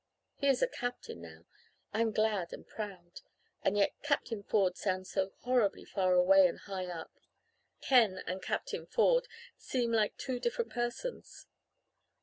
He is a captain now. I am glad and proud and yet Captain Ford sounds so horribly far away and high up. Ken and Captain Ford seem like two different persons.